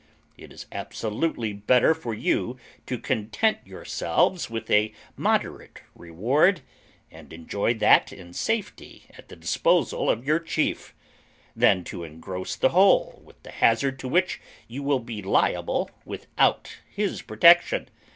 It is absolutely better for you to content yourselves with a moderate reward, and enjoy that in safety at the disposal of your chief, than to engross the whole with the hazard to which you will be liable without his protection.